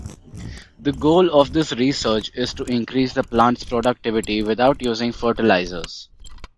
The goal of this research is to increase the plants' productivity without using fertilizers.